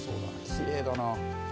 きれいだな。